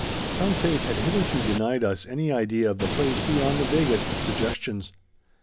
Some fate had hitherto denied us any idea of the place beyond the vaguest suggestions.